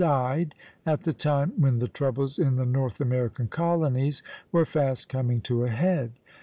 died, at the time when the troubles in the North American colonies were fast coming to a head.